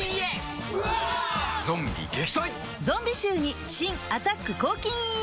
ゾンビ臭に新「アタック抗菌ＥＸ」